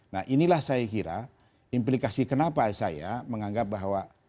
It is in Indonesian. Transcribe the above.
nah inilah saya kira implikasi kenapa saya menganggap bahwa